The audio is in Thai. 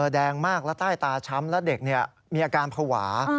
แดงมากและใต้ตาช้ำและเด็กมีอาการภาวะ